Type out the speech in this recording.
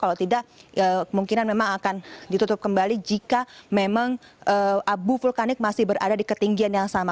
kalau tidak kemungkinan memang akan ditutup kembali jika memang abu vulkanik masih berada di ketinggian yang sama